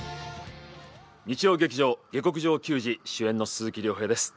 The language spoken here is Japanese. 日曜劇場「下剋上球児」、主演の鈴木亮平です。